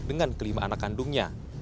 dengan kelima anak kandungnya